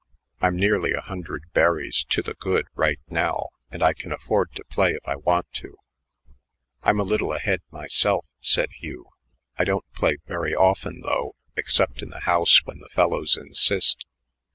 I'm nearly a hundred berries to the good right now, and I can afford to play if I want to." "I'm a little ahead myself," said Hugh. "I don't play very often, though, except in the house when the fellows insist.